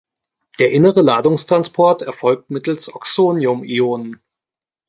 Der innere Ladungstransport erfolgt mittels Oxonium-Ionen.